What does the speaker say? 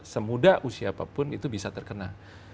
semudah usia apapun itu bisa terkena